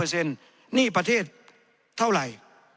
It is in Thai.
หนี้ประเทศเท่าไหร่